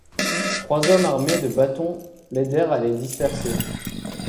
Trois hommes armés de bâtons l’aidèrent à les disperser.